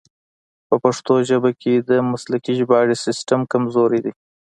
په پښتو ژبه کې د مسلکي ژباړې سیستم کمزوری دی.